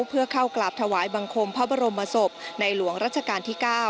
เพื่อเข้ากราบถวายบังคมพระบรมศพในหลวงรัชกาลที่๙